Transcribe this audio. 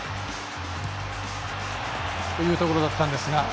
というところだったんですが。